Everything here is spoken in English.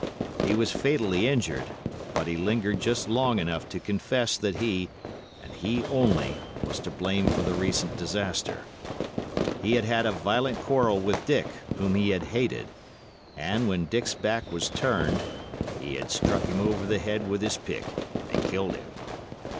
He was fatally injured, but he lingered just long enough to confess that he, and he only, was to blame for the recent disaster. He had had a violent quarrel with Dick, whom he had hated, and, when Dick's back was turned, he had struck him over the head with his pick and killed him.